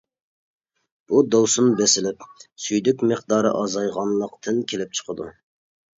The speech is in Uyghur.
بۇ دوۋسۇن بېسىلىپ، سۈيدۈك مىقدارى ئازايغانلىقتىن كېلىپ چىقىدۇ.